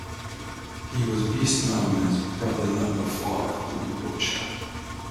He was best known as "Brother Number Five" or "the Butcher".